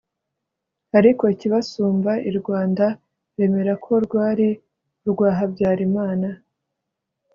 ariko ikibisumba, irwanda bemerako rwari urwa habyarimana